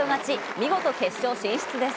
見事、決勝進出です。